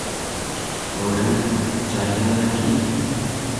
Audrey ଚାଲିଗଲା କି?